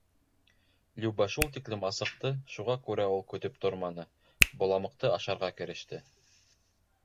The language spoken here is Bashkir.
Люба шул тиклем асыҡты, шуға күрә ул көтөп торманы, боламыҡты ашарға кереште.